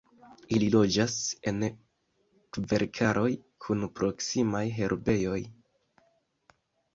Ili loĝas en kverkaroj kun proksimaj herbejoj.